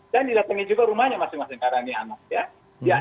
dan di latangnya juga rumahnya masing masing karena ini anaknya